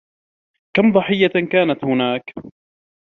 كم ضحية كانت هناك